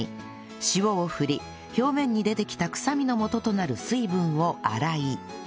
塩を振り表面に出てきた臭みのもととなる水分を洗い